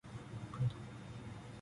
北海道中札内村